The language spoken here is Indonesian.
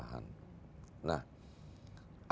nah agen agen perubahan ini setelah